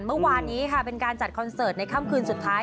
เมื่อวานนี้ค่ะเป็นการจัดคอนเสิร์ตในค่ำคืนสุดท้าย